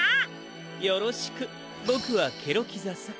よろしくボクはケロキザさ。